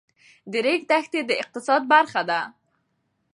د ریګ دښتې د اقتصاد برخه ده.